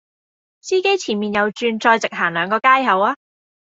司機前面右轉再直行兩個街口吖